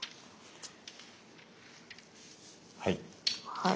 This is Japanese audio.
はい。